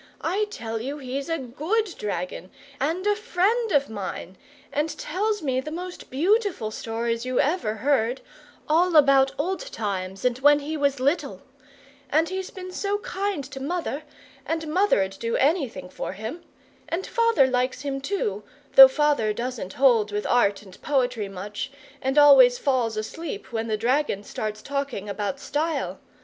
I tell you he's a GOOD dragon, and a friend of mine, and tells me the most beautiful stories you ever heard, all about old times and when he was little. And he's been so kind to mother, and mother'd do anything for him. And father likes him too, though father doesn't hold with art and poetry much, and always falls asleep when the dragon starts talking about STYLE.